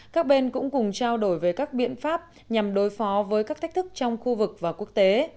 các bên cũng cùng trao đổi về các biện pháp nhằm đối phó với các thách thức trong khu vực và quốc tế